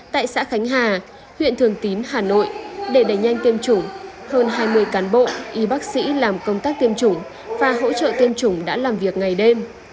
tại xã khánh hà huyện thường tín hà nội để đẩy nhanh tiêm chủng hơn hai mươi cán bộ y bác sĩ làm công tác tiêm chủng và hỗ trợ tiêm chủng đã làm việc ngày đêm